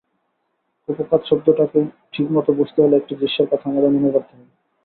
কুপোকাত শব্দটাকে ঠিকমতো বুঝতে হলে একটি দৃশ্যের কথা আমাদের মনে করতে হবে।